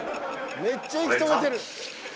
［めっちゃ息止めてる］